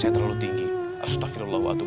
terlalu tinggi astagfirullahaladzim